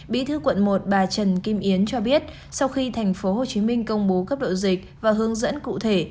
bí thư quận một bà trần kim yến cho biết sau khi thành phố hồ chí minh công bố cấp độ dịch và hướng dẫn cụ thể